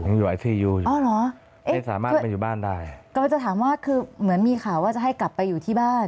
ไม่สามารถไปอยู่บ้านได้ก็จะถามว่าคือเหมือนมีข่าวว่าจะให้กลับไปอยู่ที่บ้าน